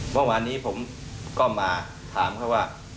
เมื่อวานนี้ผมก็มาถามเขาว่า